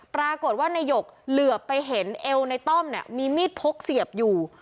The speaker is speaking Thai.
ปรากฏว่านายกเหลือไปเห็นเอวในต้อมเนี่ยมีมีดพกเสียบอยู่